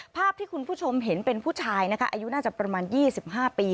ภาพที่คุณผู้ชมเห็นเป็นผู้ชายนะคะอายุน่าจะประมาณ๒๕ปี